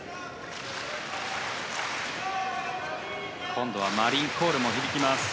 今度はマリンコールも響きます。